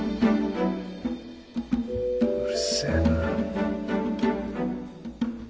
うるせえな。